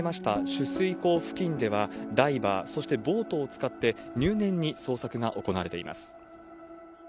取水口付近では、ダイバー、そしてボートを使って、入念に捜索が行われています。